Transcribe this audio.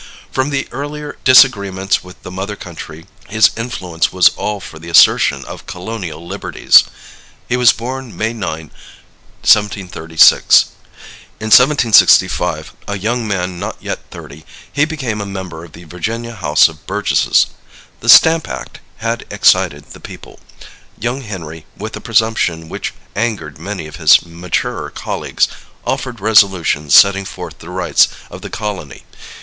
From the earlier disagreements with the mother country his influence was all for the assertion of colonial liberties. He was born May 9, 1736. In 1765, a young man not yet thirty, he became a member of the Virginia House of Burgesses. The Stamp Act had excited the people. Young Henry, with a presumption which angered many of his maturer colleagues, offered resolutions setting forth the rights of the colony.